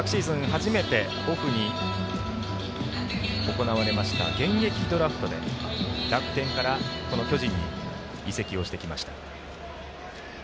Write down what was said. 初めてオフに行われました現役ドラフトで楽天から巨人に移籍をしてきました。